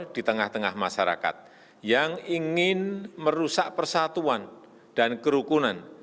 di tengah tengah masyarakat yang ingin merusak persatuan dan kerukunan